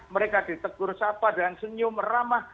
mereka ditegur sapa dan senyum ramah